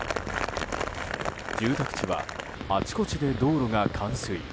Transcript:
住宅地はあちこちで道路が冠水。